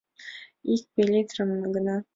Ик пеллитрым гына...